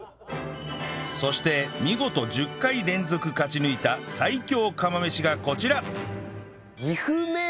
そして見事１０回連続勝ち抜いた最強釜飯がこちら